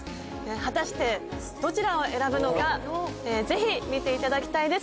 果たしてどちらを選ぶのかぜひ見ていただきたいです。